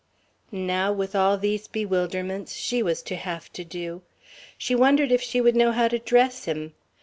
Now with all these bewilderments she was to have to do. She wondered if she would know how to dress him.